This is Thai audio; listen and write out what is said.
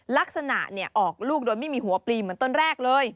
ลักษณะออกลูกโดยไม่มีหัวปลีเหมือนต้นแรกเลย